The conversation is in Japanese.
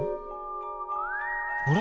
あれ？